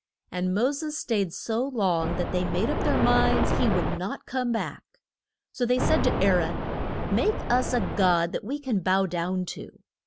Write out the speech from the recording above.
And Mo ses staid so long that they made up their minds he would not come back. So they said to Aa ron, Make us a God that we can bow down to.